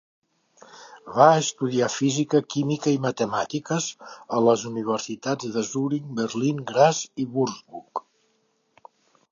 Va estudiar física, química i matemàtiques a les universitats de Zuric, Berlín, Graz i Würzburg.